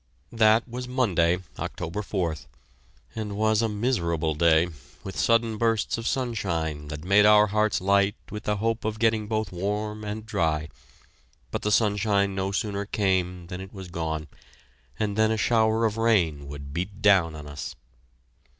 That was Monday, October 4th, and was a miserable day with sudden bursts of sunshine that made our hearts light with the hope of getting both warm and dry; but the sunshine no sooner came than it was gone, and then a shower of rain would beat down on us.